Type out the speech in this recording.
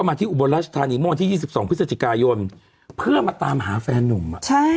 สุฬิกายนที่๒๒พฤศจิกายนเพื่อมาตามหาแฟนนุ่ม